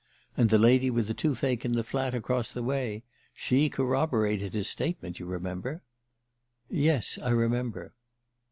And the lady with the toothache in the flat across the way: she corroborated his statement, you remember." "Yes; I remember."